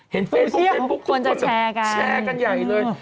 เห็นเพียสโซทุกคนจะแชร์เย็นแชร์กันใหญ่เลย